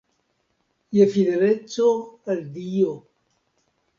Je fideleco al Dio.